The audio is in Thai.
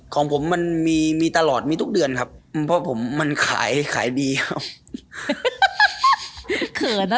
ของผมมันมีมีตลอดมีทุกเดือนครับเพราะผมมันขายขายดีครับ